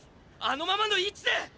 あのままの位置で！